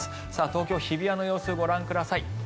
東京・日比谷の様子ご覧ください。